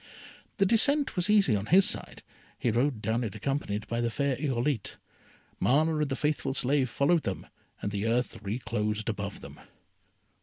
The descent was easy on his side, he rode down it accompanied by the fair Irolite. Mana and the faithful slave followed them, and the earth reclosed above them.